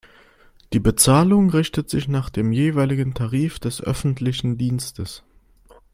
Die Bezahlung richtet sich nach dem jeweiligen Tarif des öffentlichen Dienstes.